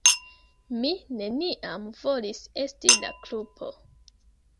Mi neniam volis "esti" la grupo.